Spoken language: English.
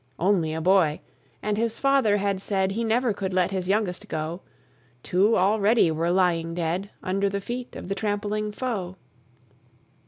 Only a boy! and his father had said He never could let his youngest go: Two already were lying dead, Under the feet of the trampling foe.